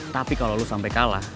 tapi kalo lu sampe kalah